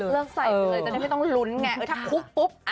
เลิกใส่ไปเลยจนได้ไม่ต้องหลุ้นไอ้ง่ายถ้าคุบปุ๊บ